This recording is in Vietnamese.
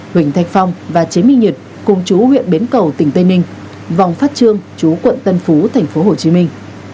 huỳnh thành phong và chế minh nhật cùng chú huyện bến cầu tỉnh tây ninh vòng phát trương chú quận tân phú thành phố hồ chí minh